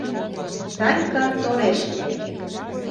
— Санька тореш лие.